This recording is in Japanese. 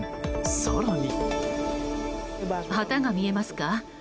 更に。